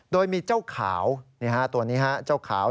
โดยมีเจ้าขาวตัวนี้ฮะเจ้าขาว